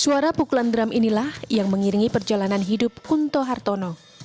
suara pukulan drum inilah yang mengiringi perjalanan hidup kunto hartono